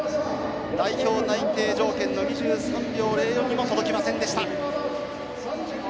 代表内定条件のタイムには届きませんでした。